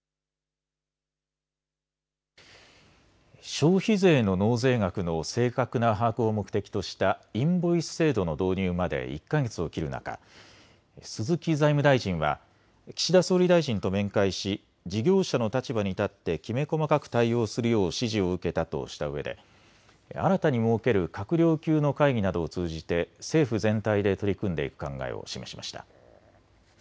消費税の納税額の正確な把握を目的としたインボイス制度の導入まで１か月を切る中、鈴木財務大臣は岸田総理大臣と面会し事業者の立場に立ってきめ細かく対応するよう指示を受けたとしたうえで新たに設ける閣僚級の会議などを通じて政府全体で取り組んでいく考えを示しました。